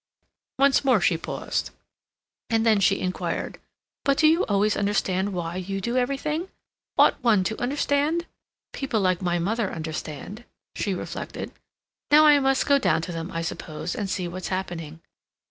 Once more she paused, and then she inquired: "But do you always understand why you do everything? Ought one to understand? People like my mother understand," she reflected. "Now I must go down to them, I suppose, and see what's happening."